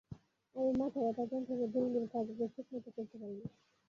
আমি মাথা ব্যথার যন্ত্রণায় দৈনন্দিন কাজগুলো ঠিকমত করতে পারি না।